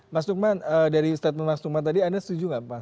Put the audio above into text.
mas tugman dari statement mas tugman tadi anda setuju enggak pak